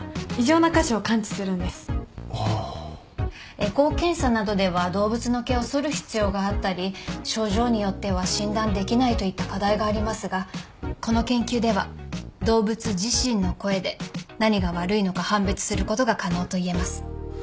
エコー検査などでは動物の毛をそる必要があったり症状によっては診断できないといった課題がありますがこの研究では動物自身の声で何が悪いのか判別することが可能といえます。